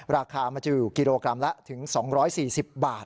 ราคามันจะอยู่กิโลกรัมละถึง๒๔๐บาท